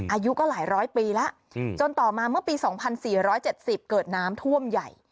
อายุก็หลายร้อยปีแล้วจนต่อมาเมื่อปี๒๔๗๐เกิดน้ำท่วมใหญ่